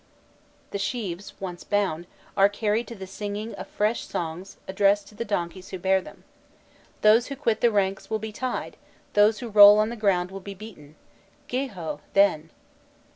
The sheaves once bound, are carried to the singing of fresh songs addressed to the donkeys who bear them: "Those who quit the ranks will be tied, those who roll on the ground will be beaten, Geeho! then."